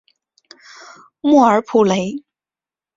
莫尔普雷。